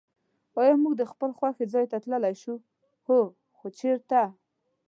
آیا موږ د خپل خوښي ځای ته تللای شوای؟ هو. خو چېرته؟